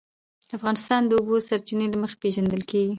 افغانستان د د اوبو سرچینې له مخې پېژندل کېږي.